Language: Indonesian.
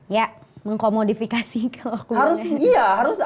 ya mengkomodifikasi kalau aku bilang